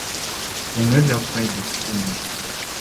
Күңел ятмай бит, күңел...